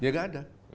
ya gak ada